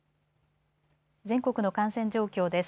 全国の感染状況です。